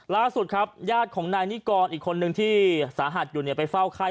ล่าสุดครับญาติของนายนิกรอีกคนนึงที่สาหัสอยู่ไปเฝ้าไข้